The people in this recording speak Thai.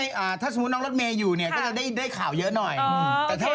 บอกตรงนี้เลยว่าข่าวทิ้งเยอะ